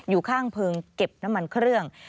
อยู่ข้างเพลิงเก็บน้ำมันเครื่อง